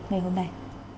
ngày hôm nay